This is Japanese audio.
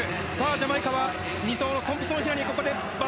ジャマイカは２走トンプソン・ヒラに。